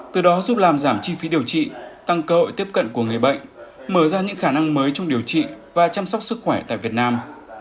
từ đó giúp làm giảm chi phí điều trị tăng cơ hội tiếp cận của người bệnh mở ra những khả năng mới trong điều trị và chăm sóc sức khỏe tại việt nam